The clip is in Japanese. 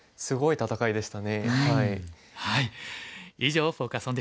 すごい戦いでしたね。